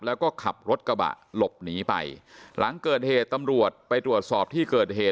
แล้วก็ขับรถกระบะหลบหนีไปหลังเกิดเหตุตำรวจไปตรวจสอบที่เกิดเหตุ